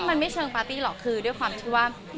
มันไม่เชิงปาร์ตี้หรอกคือด้วยความที่ว่า